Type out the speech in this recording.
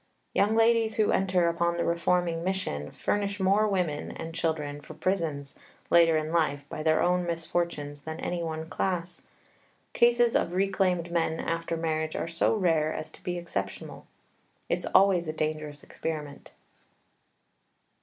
Young ladies who enter upon the reforming mission furnish more women and children for prisons, later in life, by their own misfortunes than any one class. Cases of reclaimed men after marriage are so rare as to be exceptional. It's always a dangerous experiment.